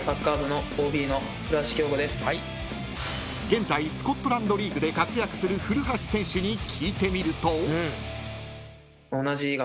［現在スコットランドリーグで活躍する古橋選手に聞いてみると］